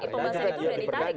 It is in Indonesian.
pembahasan itu sudah ditarik